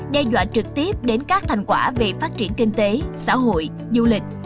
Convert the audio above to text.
đe dọa trực tiếp đến các thành quả về phát triển kinh tế xã hội du lịch